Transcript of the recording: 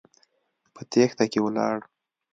په تېښته کې ولاړ.